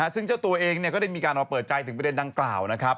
ซึ่งเจ้าตัวเองก็ได้มีการออกมาเปิดใจถึงประเด็นดังกล่าวนะครับ